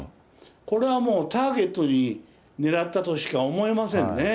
これはもう、ターゲットに狙ったとしか思えませんね。